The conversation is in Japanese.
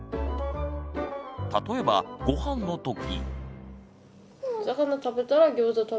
例えばごはんのとき。